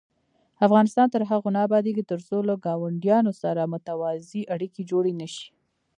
افغانستان تر هغو نه ابادیږي، ترڅو له ګاونډیانو سره متوازنې اړیکې جوړې نشي.